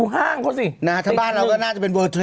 โอ้โหอลังการมากเลยอ่ะดูห้างเขาสิน่าจะเป็นเวิร์ดเทรดอ่ะ